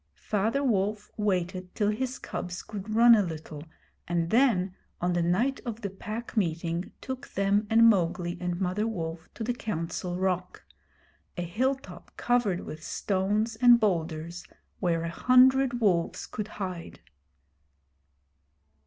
Father Wolf waited till his cubs could run a little, and then on the night of the Pack Meeting took them and Mowgli and Mother Wolf to the Council Rock a hilltop covered with stones and boulders where a hundred wolves could hide.